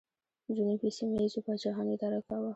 جنوب یې سیمه ییزو پاچاهانو اداره کاوه